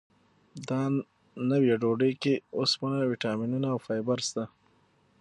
دا نوې ډوډۍ کې اوسپنه، ویټامینونه او فایبر شته.